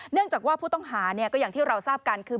เนื่องจากว่าผู้ต้องหาก็อย่างที่เราทราบกันคือ